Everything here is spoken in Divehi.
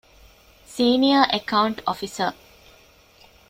ސީނިއަރ އެކައުންޓް އޮފިސަރ